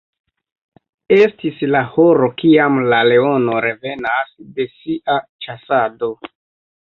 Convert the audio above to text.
Estis la horo kiam la leono revenas de sia ĉasado.